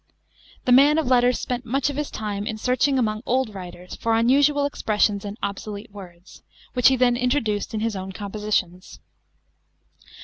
The man of letters spent much of his time in searching among old writers for unusual expressions and obsolete words, which he then introduced in his own compositions.